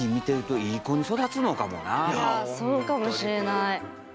いやそうかもしれない。